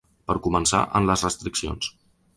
Per començar, en les restriccions.